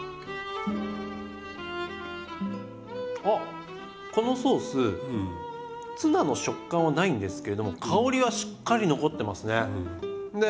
あっこのソースツナの食感はないんですけれども香りはしっかり残ってますね。